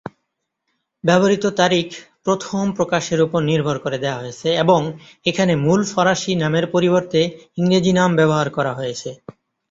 ব্যবহৃত তারিখ প্রথম প্রকাশের উপর নির্ভর করে দেয়া হয়েছে এবং এখানে মূল ফরাসী নামের পরিবর্তে ইংরেজি নাম ব্যবহার করা হয়েছে।